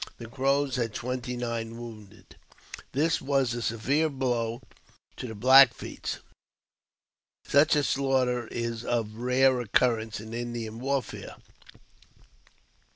The Crows had twenty nine wounded. This was a severe blow to the Black Feet ; such a slaughter is of rare occurrence in Indian warfare.